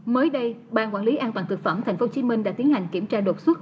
mới đây ban quản lý an toàn thực phẩm tp hcm đã tiến hành kiểm tra đột xuất